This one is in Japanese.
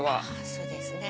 そうですね。